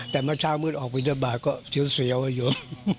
แต่เมื่อเช้ามืดออกบินทบาทก็เสียวอยู่